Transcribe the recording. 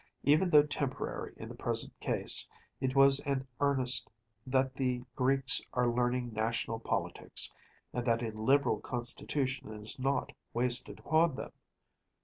Even though temporary in the present case, it was an earnest that the Greeks are learning national politics, and that a liberal constitution is not wasted upon them.